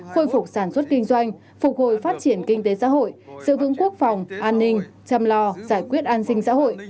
khôi phục sản xuất kinh doanh phục hồi phát triển kinh tế xã hội sự vững quốc phòng an ninh chăm lo giải quyết an sinh xã hội